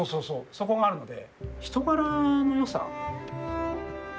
そこがあるので。